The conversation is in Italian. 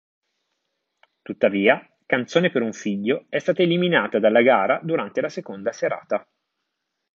Tuttavia "Canzone per un figlio" è stata eliminata dalla gara durante la seconda serata.